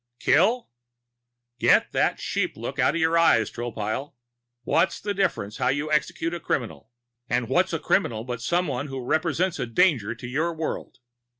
"Kill " "Get that sheep look out of your eyes, Tropile! What's the difference how you execute a criminal? And what's a criminal but someone who represents a danger to your world?